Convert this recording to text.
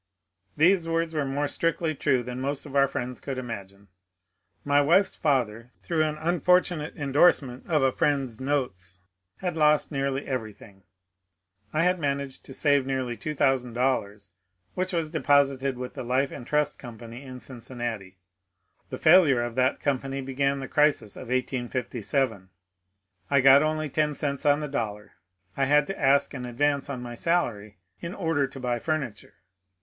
The words were more strictly true than most of our friends could imagine. My wife's father, through an unfortunate endorsement of a friend's notes, had lost nearly everything. I had managed to save nearly $2000, which was deposited with the Life and Trust Company in Cincinnati. The failure of that company began the *^ crisis " of 1857. I got only ten cents on the dollar. I had to ask an advance on my salary in order to buy furniture.